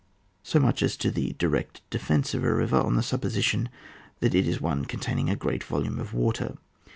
80 much as to the direct defence of a river, on the supposition that it is one containing a great volume of water.